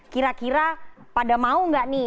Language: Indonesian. kira kira pada mau nggak nih